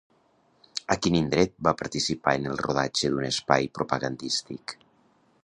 A quin indret va participar en el rodatge d'un espai propagandístic?